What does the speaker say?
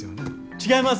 違います！